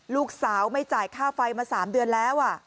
ลูกสาวไม่จ่ายค่าไฟมา๓เดือนแล้ว